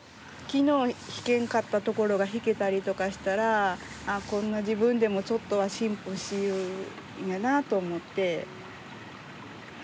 昨日弾けんかったところが弾けたりとかしたらあっこんな自分でもちょっとは進歩しゆんやなと思って。